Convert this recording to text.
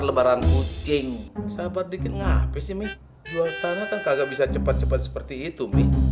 lebaran kucing sabar dikenal pesimis jual tanah kan kagak bisa cepat cepat seperti itu